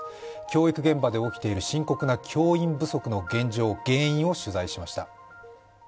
教育現場で起きている深刻な教員不足の現状、原因を取材しました。